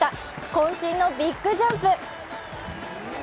こん身のビッグジャンプ。